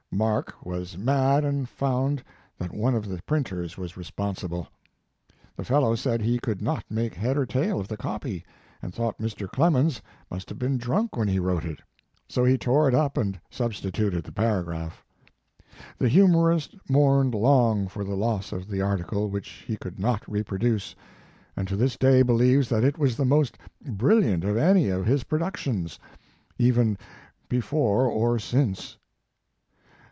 Mark was mad and found that one of the printers was responsible. The fellow said he could not make head or tail of the copy, and thought Mr. Clemens must have been drunk when he wrote it, so he tore it up and substituted the paragraph. The humorist mourned long for the loss of the article which he could not re produce, and to this day believes that it was the most brilliant of any of his pro ductions, even before or since.